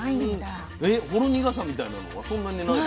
ほろ苦さみたいなのはそんなにない？